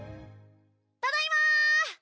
ただいま！